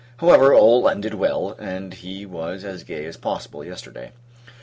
However, all ended well; and he was as gay as possible, yesterday.